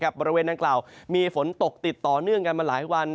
บริเวณดังกล่าวมีฝนตกติดต่อเนื่องกันมาหลายวัน